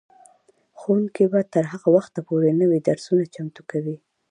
ښوونکي به تر هغه وخته پورې نوي درسونه چمتو کوي.